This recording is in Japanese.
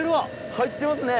入ってますね！